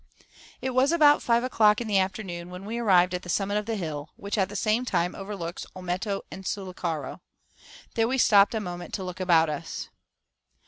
It was about five o'clock in the afternoon when we arrived at the summit of the hill, which at the same time overlooks Olmeto and Sullacaro. There we stopped a moment to look about us.